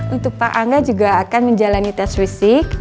untuk pak angga juga akan menjalani tes fisik